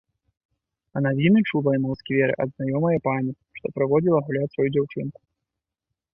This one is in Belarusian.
А навіны чула яна ў скверы ад знаёмае пані, што прыводзіла гуляць сваю дзяўчынку.